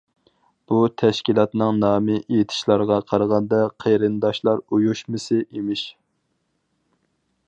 بۇ تەشكىلاتنىڭ نامى ئېيتىشلارغا قارىغاندا قېرىنداشلار ئۇيۇشمىسى ئىمىش.